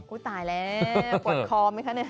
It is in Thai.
ตายแล้วปวดคอไหมคะเนี่ย